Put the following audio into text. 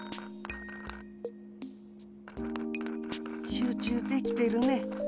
集中できてるね。